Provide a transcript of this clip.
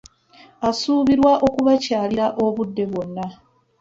Asuubirwa okubakyalira obudde bwonna.